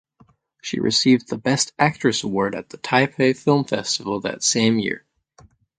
She received the Best Actress Award at the Taipei Film Festival that same year.